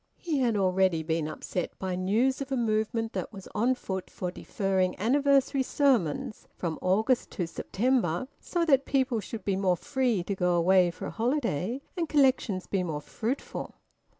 He had already been upset by news of a movement that was on foot for deferring Anniversary Sermons from August to September, so that people should be more free to go away for a holiday, and collections be more fruitful.